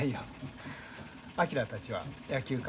昭たちは野球か？